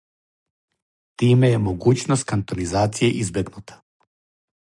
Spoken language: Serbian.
Тиме је могућност кантонизације избегнута.